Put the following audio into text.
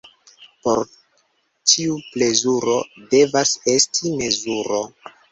Por ĉiu plezuro devas esti mezuro.